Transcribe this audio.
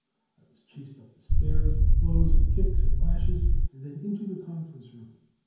I was chased up the stairs with blows and kicks and lashes, and then into the conference room.